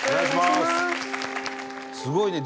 すごいね。